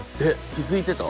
気付いてた？